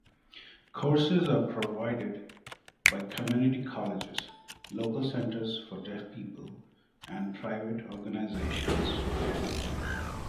Courses are provided by community colleges, local centres for deaf people and private organisations.